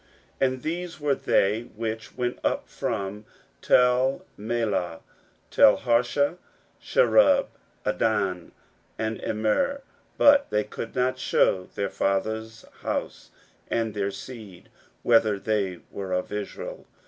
16:007:061 And these were they which went up also from Telmelah, Telharesha, Cherub, Addon, and Immer: but they could not shew their father's house, nor their seed, whether they were of Israel.